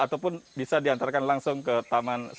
ataupun bisa diantarkan langsung ke taman nasional